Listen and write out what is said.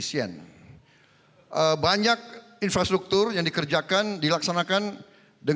kepada pak jokowi ini waktu itemnya itu rasanya atas pangkat isu isu